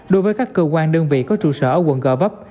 đối với các cơ quan đơn vị có trụ sở ở quận gò vấp